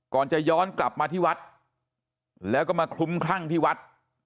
ก่อนจะย้อนกลับมาที่วัดแล้วก็มาคลุ้มคลั่งที่วัด